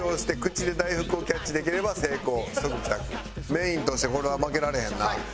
メインとしてこれは負けられへんな。